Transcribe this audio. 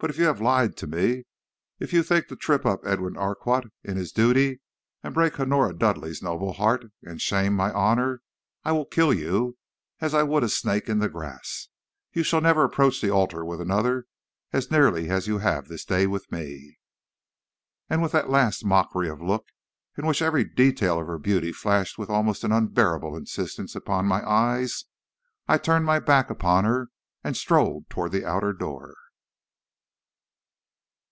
But if you have lied to me if you think to trip up Edwin Urquhart in his duty, and break Honora Dudleigh's noble heart, and shame my honor I will kill you as I would a snake in the grass! You shall never approach the altar with another as nearly as you have this day with me!' "And with the last mockery of a look, in which every detail of her beauty flashed with almost an unbearable insistence upon my eyes, I turned my back upon her and strode toward the outer door."